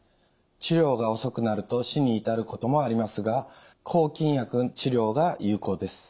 治療が遅くなると死に至ることもありますが抗菌薬治療が有効です。